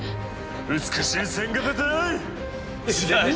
美しい線が出てない！